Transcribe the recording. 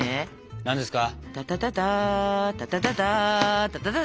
何ですか？